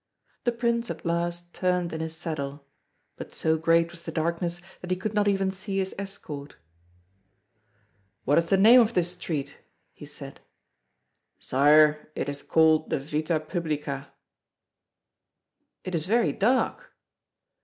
The Prince at last turned in his saddle, but so great was the darkness that he could not even see his escort. "What is the name of this street?" he said. "Sire, it is called the Vita Publica." "It is very dark."